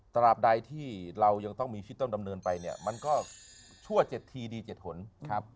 ตราบใดที่เรายังต้องมีคิดต้องดำเนินไปเนี่ยมันก็ชั่ว๗ทีดี๗หนครับ